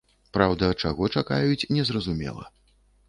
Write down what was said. Праўда, чаго чакаюць, не зразумела.